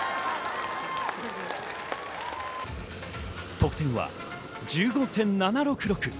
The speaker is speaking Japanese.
得点は１５．７６６。